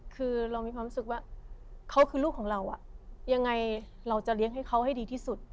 คือเรามีความรู้สึกว่าเขาคือลูกของเรายังไงเราจะเลี้ยงให้เขาให้ดีที่สุด